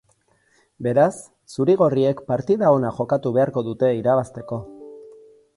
Beraz, zuri-gorriek partida ona jokatu beharko dute irabazteko.